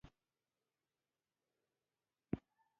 او د مانا له پلوه، سنګدله، بې پروا، بې مينې او د زړه ماتوونکې